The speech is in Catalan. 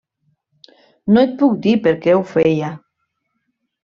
No et puc dir per què ho feia.